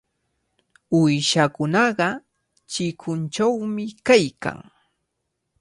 Uyshakunaqa chikunchawmi kaykan.